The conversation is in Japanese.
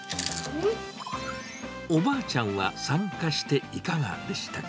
おばあちゃんは参加していかがでしたか？